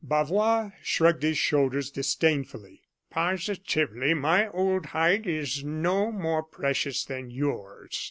Bavois shrugged his shoulders disdainfully. "Positively, my old hide is no more precious than yours.